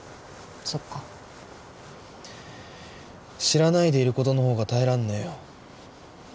そっか知らないでいることのほうが耐えらんねえよ